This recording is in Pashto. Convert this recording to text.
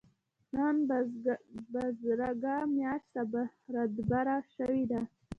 نن بزرګه مياشت رادبره شوې ده.